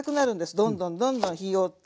どんどんどんどん日を追って。